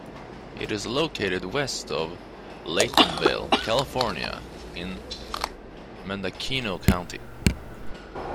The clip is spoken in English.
It is located west of Laytonville, California, in Mendocino County.